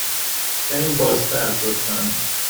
کمی بازتر، لطفاً.